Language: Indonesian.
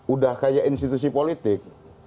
udah kayak institusi politik